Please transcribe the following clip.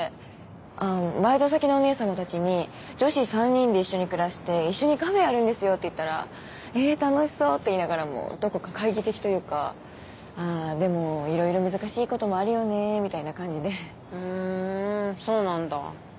ああーバイト先のお姉さまたちに「女子３人で一緒に暮らして一緒にカフェやるんですよ」って言ったら「ええー楽しそう」って言いながらもどこか懐疑的というかああーでもいろいろ難しいこともあるよねみたいな感じでふーんそうなんだ？